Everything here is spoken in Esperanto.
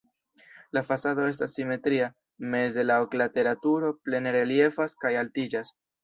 La fasado estas simetria, meze la oklatera turo plene reliefas kaj altiĝas.